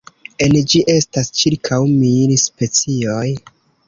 En ĝi estas ĉirkaŭ mil specioj.